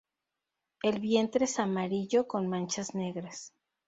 El vientre es amarillo con manchas negras.